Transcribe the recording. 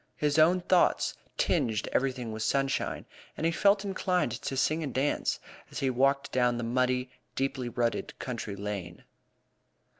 His own thoughts tinged everything with sunshine, and he felt inclined to sing and dance as he walked down the muddy, deeply rutted country lane.